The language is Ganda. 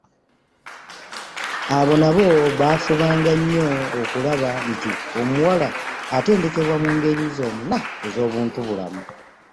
Abo nabo baafubanga nnyo okulaba nti omuwala atendekebwa mu ngeri zonna ez’obuntubulamu.